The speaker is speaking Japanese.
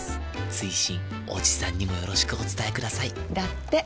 追伸おじさんにもよろしくお伝えくださいだって。